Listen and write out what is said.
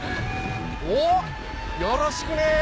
おっよろしくね。